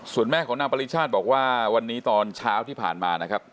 ส่วนแม่ของนางปริชาติบอกว่าวันนี้ตอนเช้าที่ผ่านมานะครับ